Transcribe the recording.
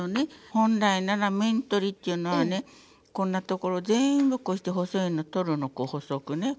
本来なら面取りっていうのはねこんな所全部こうして細いの取るのこう細くねこう。